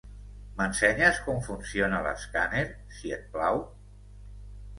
M'ensenyes com funciona l'escàner, si et plau?